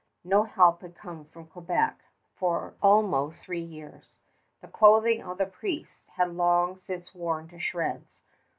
No help had come from Quebec for almost three years. The clothing of the priests had long since worn to shreds.